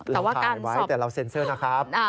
เราถ่ายไว้แต่เราเซ็นเซอร์นะครับ